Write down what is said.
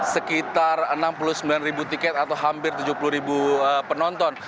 sekitar enam puluh sembilan ribu tiket atau hampir tujuh puluh ribu penonton